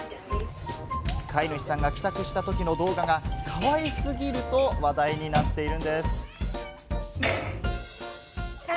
飼い主さんが帰宅したときの動画がかわい過ぎると話題になっているんです。